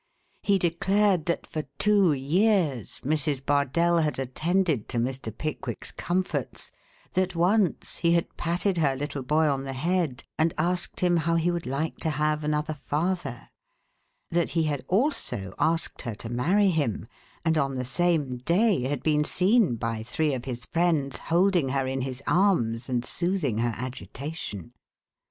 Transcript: He declared that for two years, Mrs. Bardell had attended to Mr. Pickwick's comforts, that once he had patted her little boy on the head and asked him how he would like to have another father; that he had also asked her to marry him, and on the same day had been seen by three of his friends holding her in his arms and soothing her agitation.